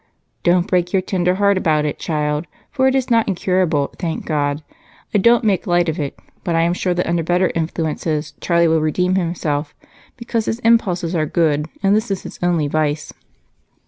"Don't break your tender heart about it, child, for it is not incurable, thank God! I don't make light of it, but I am sure that under better influences Charlie will redeem himself because his impulses are good and this his only vice.